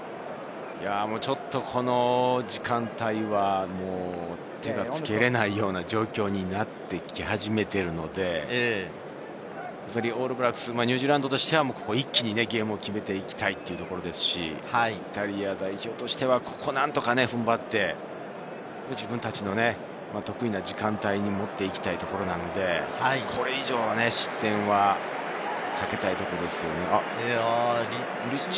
ちょっとこの時間帯は手がつけられないような状況になってきはじめているので、オールブラックス・ニュージーランドとしては一気にゲームを決めていきたいところですし、イタリア代表としては何とか踏ん張って、自分たちの得意な時間帯に持っていきたいところなので、これ以上の失点は避けたいところですよね。